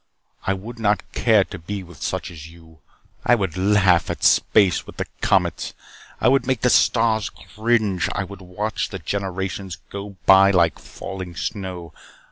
I would not care to be with such as you. I would laugh at space with the comets. I would make the stars cringe. I would watch the generations go by like falling snow.